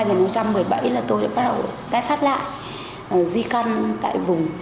năm hai nghìn một mươi bảy là tôi đã bắt đầu tái phát lại di căn tại vùng